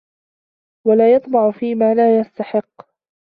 وَلَا يَطْمَعَ فِيمَا لَا يَسْتَحِقُّ